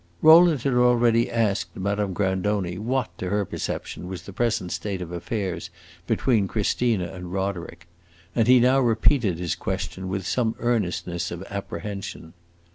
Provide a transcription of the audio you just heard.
Rowland had already asked Madame Grandoni what, to her perception, was the present state of matters between Christina and Roderick; and he now repeated his question with some earnestness of apprehension.